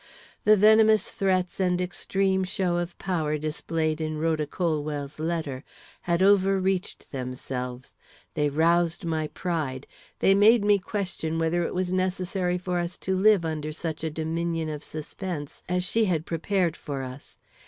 The venomous threats and extreme show of power displayed in Rhoda Colwell's letter had overreached themselves. They roused my pride. They made me question whether it was necessary for us to live under such a dominion of suspense as she had prepared for us.